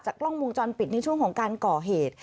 กล้องวงจรปิดในช่วงของการก่อเหตุ